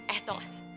eh tau gak sih